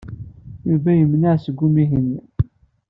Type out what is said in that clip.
Yuba yemneɛ seg umihi-nni.